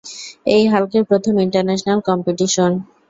এটা হাল্কের প্রথম international competition.